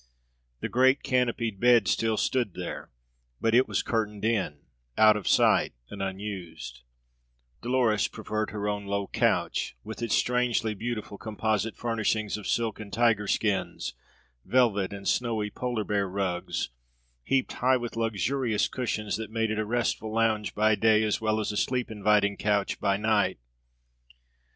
The great canopied bed still stood there; but it was curtained in, out of sight, and unused; Dolores preferred her own low couch, with its strangely beautiful composite furnishings of silk and tiger skins, velvet and snowy polar bear rugs, heaped high with luxurious cushions that made it a restful lounge by day as well as a sleep inviting couch by night.